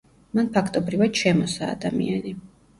მან ფაქტობრივად შემოსა ადამიანი.